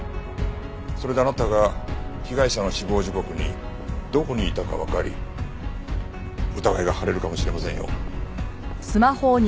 それであなたが被害者の死亡時刻にどこにいたかわかり疑いが晴れるかもしれませんよ。